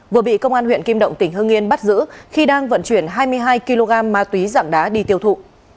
vừa bị công an huyện kim động tỉnh hương yên bắt giữ khi đang vận chuyển hai mươi hai kg ma túy dạng đá đi tiêu thụ